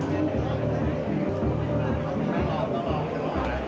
สวัสดีครับ